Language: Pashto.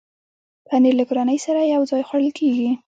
پنېر له کورنۍ سره یو ځای خوړل کېږي.